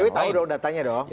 ijw tahu datanya dong